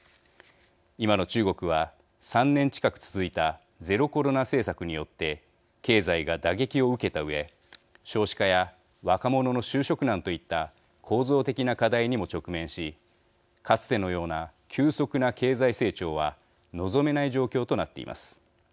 今の中国は、３年近く続いたゼロコロナ政策によって経済が打撃を受けたうえ少子化や若者の就職難といった構造的な課題にも直面しかつてのような急速な経済成長は望めない状況となっています。